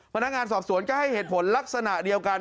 พนักงานสอบสวนก็ให้เหตุผลลักษณะเดียวกัน